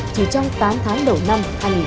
chỉ trong tám tháng đầu năm hai nghìn hai mươi